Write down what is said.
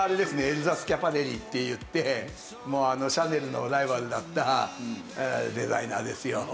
エルザ・スキャパレリっていってシャネルのライバルだったデザイナーですよ。